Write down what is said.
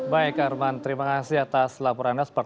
baik arman terima kasih atas laporan anda